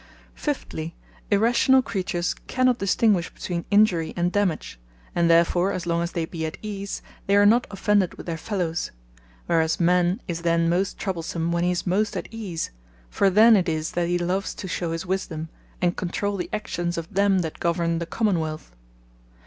Fiftly, irrationall creatures cannot distinguish betweene Injury, and Dammage; and therefore as long as they be at ease, they are not offended with their fellowes: whereas Man is then most troublesome, when he is most at ease: for then it is that he loves to shew his Wisdome, and controule the Actions of them that governe the Common wealth.